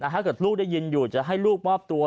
ถ้าเกิดลูกได้ยินอยู่จะให้ลูกมอบตัว